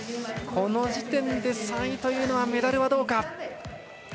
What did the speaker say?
この時点で３位というのはメダルはどうか。